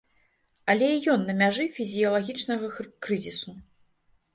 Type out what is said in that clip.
Але і ён на мяжы фізіялагічнага крызісу.